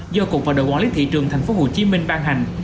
do cục và đội quản lý thị trường tp hcm ban hành